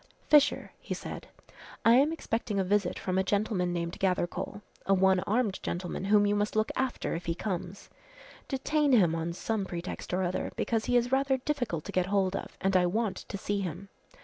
"Fisher," he said, "I am expecting a visit from a gentleman named Gathercole a one armed gentleman whom you must look after if he comes. Detain him on some pretext or other because he is rather difficult to get hold of and I want to see him.